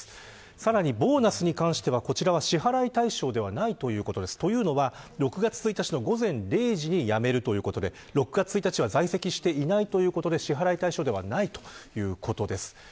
さらにボーナスに関しては支払い対象ではないということでというのは、６月１日の午前０時に辞めるということで６月１日は在籍していないので支払い対象ではないということです。